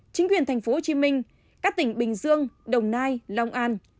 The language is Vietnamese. chính quyền tp hcm các tỉnh bình dương đồng nai long an